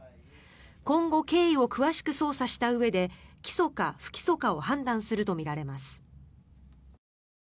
今後、経緯を詳しく捜査したうえで起訴か不起訴かを判断するとみられます。